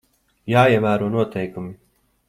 Jāievēro noteikumi.